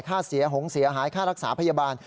ค่าเสียหงเสียหายค่ารักษาพยาบาล